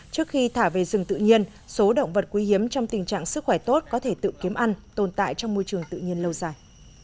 trước khi thả về rừng tự nhiên số động vật quý hiếm trong tình trạng sức khỏe tốt có thể tự kiếm ăn tồn tại trong môi trường tự nhiên lâu dài